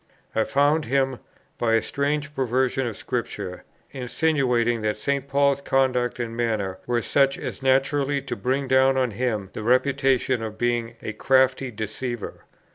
I found him, by a strange perversion of Scripture, insinuating that St. Paul's conduct and manner were such as naturally to bring down on him the reputation of being a crafty deceiver.